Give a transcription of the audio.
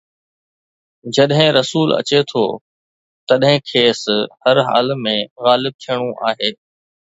جڏهن رسول اچي ٿو، تڏهن کيس هر حال ۾ غالب ٿيڻو آهي.